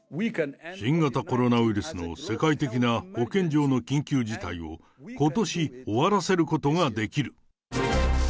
新型コロナウイルスの世界的な保健上の緊急事態をことし、終わらせることができる。